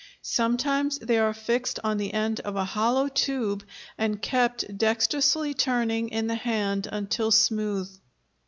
Sometimes they are fixed on the end of a hollow tube and kept dexterously turning in the hand until smooth.